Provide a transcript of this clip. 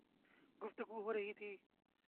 گفتگو ہو رہی تھی